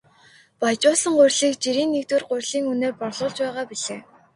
Баяжуулсан гурилыг жирийн нэгдүгээр гурилын үнээр борлуулж байгаа билээ.